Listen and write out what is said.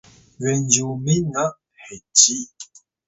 Genzyumin na heci